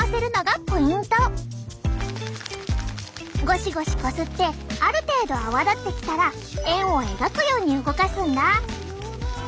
ゴシゴシこすってある程度泡立ってきたら円を描くように動かすんだ。